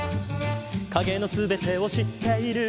「影の全てを知っている」